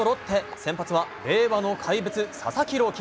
先発は令和の怪物、佐々木朗希。